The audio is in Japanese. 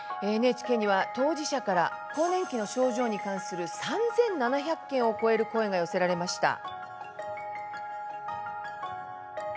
ＮＨＫには当事者から更年期の症状に関する３７００件を超える声が寄せられました。